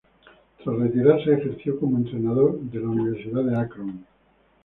Tras retirarse, ejerció como entrenador en la Universidad de Akron.